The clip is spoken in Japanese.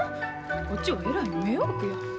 こっちはえらい迷惑や。